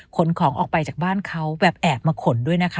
ขนของออกไปจากบ้านเขาแบบแอบมาขนด้วยนะคะ